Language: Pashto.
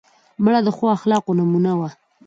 مړه د ښو اخلاقو نمونه وه